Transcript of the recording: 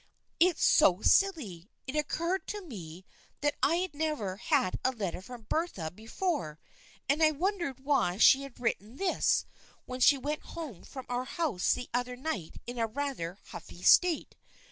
It's so silly — it occurred to me that I had never had a letter from Bertha be fore, and I wondered why she had written this, when she went home from our house the other night in a rather huffy state.